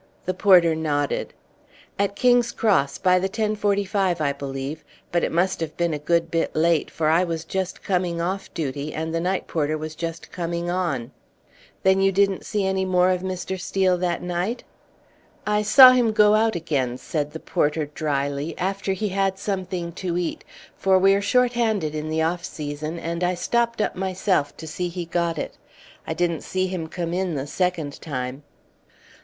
The porter nodded. "At King's Cross, by the 10.45, I believe; but it must have been a good bit late, for I was just coming off duty, and the night porter was just coming on." "Then you didn't see any more of Mr. Steel that night?" "I saw him go out again," said the porter, dryly, "after he had something to eat, for we are short handed in the off season, and I stopped up myself to see he got it. I didn't see him come in the second time."